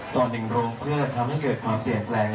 ต่อ๑โรงเพื่อทำให้เกิดความเปลี่ยนแปลง